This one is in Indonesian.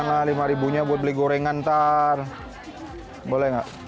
rp tiga puluh lah bu janganlah rp lima buat beli goreng nanti boleh tidak